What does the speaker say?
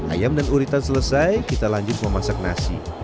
ayam dan uritan selesai kita lanjut memasak nasi